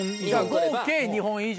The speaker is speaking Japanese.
合計２本以上。